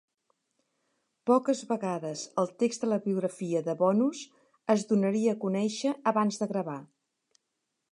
Poques vegades, el text de la biografia de Bonus es donaria a conèixer abans de gravar.